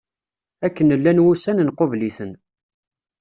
Akken llan wussan nqubel-iten.